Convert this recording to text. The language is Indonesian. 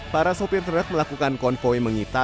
para sopir truk melakukan konvoy mengita